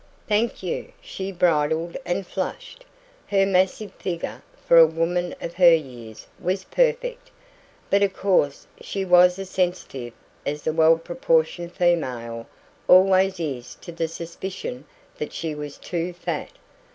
"Thank you!" She bridled and flushed. Her massive figure, for a woman of her years, was perfect; but of course she was as sensitive as the well proportioned female always is to the suspicion that she was too fat.